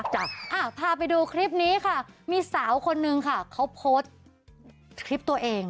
พาไปดูคลิปนี้ค่ะมีสาวคนนึงค่ะเขาโพสต์คลิปตัวเอง